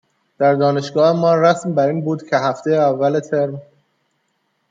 در دانشگاه ما رسم بر این بود که هفته اول ترم،